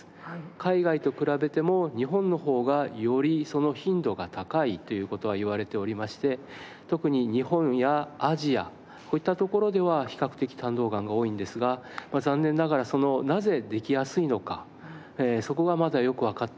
海外と比べても日本の方がよりその頻度が高いという事は言われておりまして特に日本やアジアこういったところでは比較的胆道がんが多いんですが残念ながらそのなぜできやすいのかそこがまだよくわかってない。